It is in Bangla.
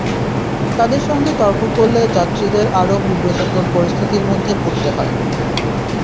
তাদের সঙ্গে তর্ক করলে যাত্রীদের আরও বিব্রতকর পরিস্থিতির মধ্যে পড়তে হয়।